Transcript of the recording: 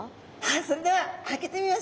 それでは開けてみましょう。